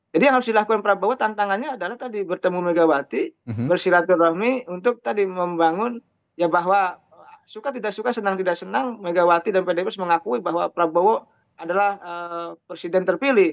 yang harus dilakukan prabowo tantangannya adalah tadi bertemu megawati bersilaturahmi untuk tadi membangun ya bahwa suka tidak suka senang tidak senang megawati dan pdb mengakui bahwa prabowo adalah presiden terpilih